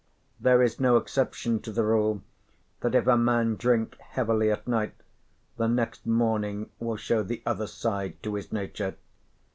There is no exception to the rule that if a man drink heavily at night the next morning will show the other side to his nature.